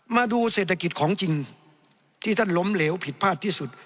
มาดูเศรษฐกิจของจริงที่ท่านล้มเหลวผิดพลาดที่สุด